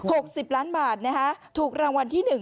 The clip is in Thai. หกสิบล้านบาทนะฮะถูกรางวัลที่หนึ่ง